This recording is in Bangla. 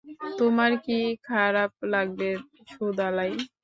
তোমার কি খারাপ লাগবে, সুদালাই?